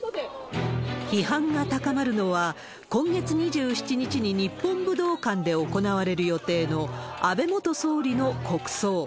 批判が高まるのは、今月２７日に日本武道館で行われる予定の、安倍元総理の国葬。